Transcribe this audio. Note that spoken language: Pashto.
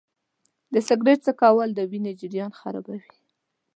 د سګرټ څکول د وینې جریان خرابوي.